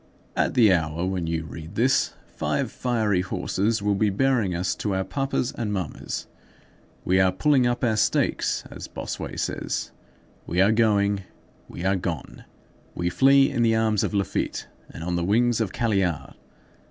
At the hour when you read this, five fiery horses will be bearing us to our papas and mammas. We are pulling up our stakes, as Bossuet says. We are going; we are gone. We flee in the arms of Laffitte and on the wings of Caillard.